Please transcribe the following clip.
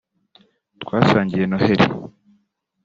twasangiye noheli